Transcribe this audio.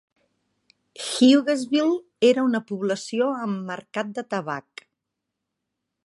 Hughesville era una població amb mercat de tabac.